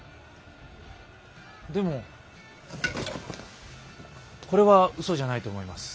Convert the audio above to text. でもこれはうそじゃないと思います。